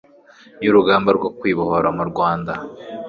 y'urugamba rwo kwibohora mu rwanda